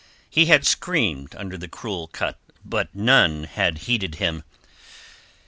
He had screamed under the cruel cut, but none had heeded him.